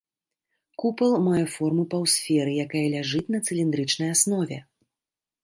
Купал мае форму паўсферы, якая ляжыць на цыліндрычнай аснове.